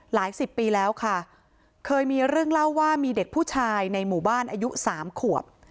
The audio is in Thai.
สิบปีแล้วค่ะเคยมีเรื่องเล่าว่ามีเด็กผู้ชายในหมู่บ้านอายุสามขวบ